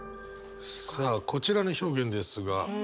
さあこちらの表現ですが。